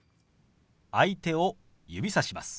相手を指さします。